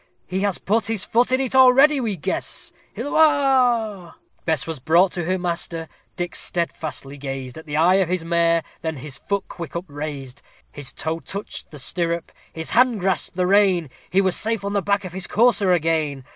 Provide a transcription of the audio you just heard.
He has put his foot in it already, we guess!" Hilloah! Bess was brought to her master Dick steadfastly gazed At the eye of his mare, then his foot quick upraised; His toe touched the stirrup, his hand grasped the rein He was safe on the back of his courser again!